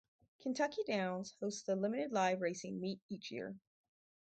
Kentucky Downs hosts a limited live racing meet each year.